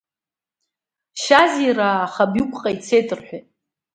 Шьазираа Ахабиукҟа ицеит рҳәеит…